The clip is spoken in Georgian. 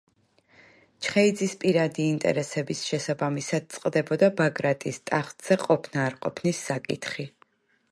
ჩხეიძის პირადი ინტერესების შესაბამისად წყდებოდა ბაგრატის ტახტზე ყოფნა-არყოფნის საკითხი.